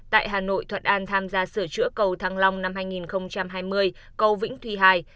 tại hà nội thuận an tham gia sửa chữa cầu thăng long năm hai nghìn hai mươi cầu vĩnh thùy ii